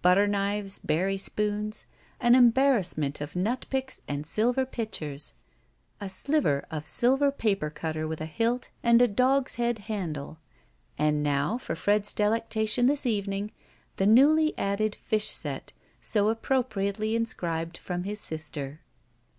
Butter knives. Berry spoons. An embarrassment of nut picks and silver pitchers. A sliver of silver paper cutter with a hilt and a dog's head handle. And now, for Fred's delectation this evening, the newly added fish set, so appropriately inscribed from his sister.